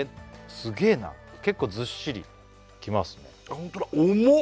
すげえな結構ずっしりきますねあっ